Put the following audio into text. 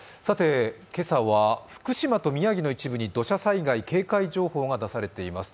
今朝は福島と宮城の一部に土砂災害警戒情報が出されています。